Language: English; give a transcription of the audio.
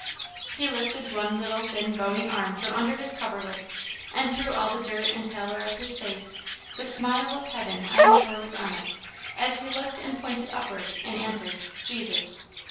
"He lifted one little, thin, bony arm from under his coverlid, and, through all the dirt and the pallor of his face, the smile of heaven I am sure was on it, as he looked and pointed upward, and answered, 'Jesus!'